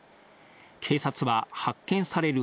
警察は発見される